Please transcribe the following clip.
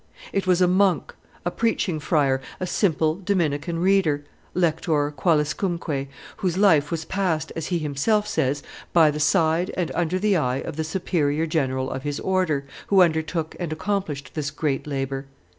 It was a monk, a preaching friar, a simple Dominican reader (lector qualiscumque), whose life was passed, as he himself says, by the side and under the eye of the superior general of his order, who undertook and accomplished this great labor.